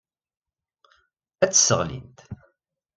Ad tt-sseɣlint.